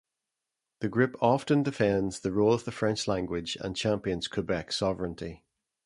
The group often defends the role of the French language, and champions Quebec sovereignty.